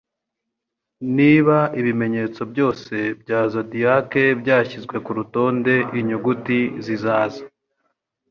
Niba Ibimenyetso Byose bya Zodiac Byashyizwe ku rutonde Inyuguti Zizaza